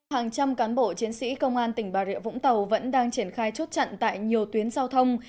hàng trăm cán bộ chiến sĩ công an tỉnh bà rịa vũng tàu vẫn đang triển khai chốt chặn tại nhiều tuyến giao thông